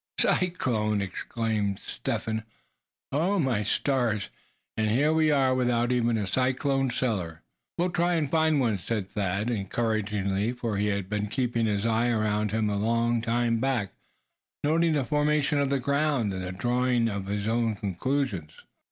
"Cyclone!" exclaimed Step Hen, "oh! my stars! and here we are without even a cyclone cellar." "We'll try and find one," said Thad, encouragingly, for he had been keeping his eyes around him a long time back, noting the formation of the ground, and drawing his own conclusions.